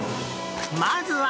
まずは。